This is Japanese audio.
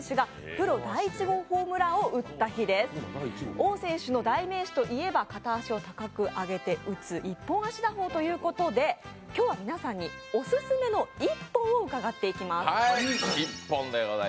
王選手の代名詞といえば片足を高く上げて打つ一本足打法ということで、今日は皆さんにオススメの一本をうかがっていきます。